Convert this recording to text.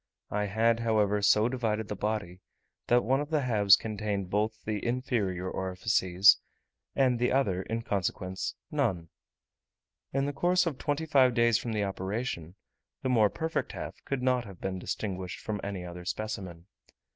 I had, however, so divided the body, that one of the halves contained both the inferior orifices, and the other, in consequence, none. In the course of twenty five days from the operation, the more perfect half could not have been distinguished from any other specimen.